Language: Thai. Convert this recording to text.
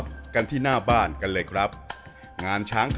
ชื่องนี้ชื่องนี้ชื่องนี้ชื่องนี้ชื่องนี้